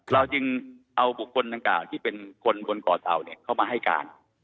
เราจึงเอาบุคคลดังกล่าวที่เป็นคนบนเกาะเต่าเข้ามาให้การ